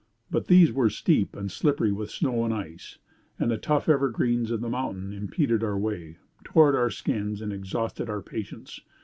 But these were steep and slippery with snow and ice; and the tough evergreens of the mountain impeded our way, tore our skins, and exhausted our patience.